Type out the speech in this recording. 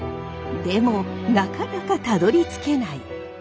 でもなかなかたどりつけない。